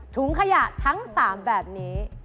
ถุงขยะทั้ง๓แบบนี้